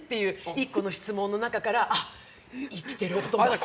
１個の質問の中から生きてるって。